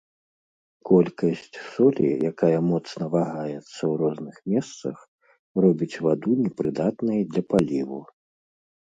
Колькасць солі, якая моцна вагаецца ў розных месцах, робіць ваду непрыдатнай для паліву.